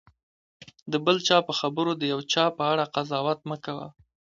د بل چا په خبرو د یو چا په اړه قضاوت مه کوه.